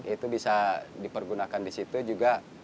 itu bisa dipergunakan disitu juga